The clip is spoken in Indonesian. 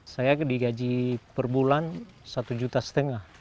saya digaji perbulan satu juta setengah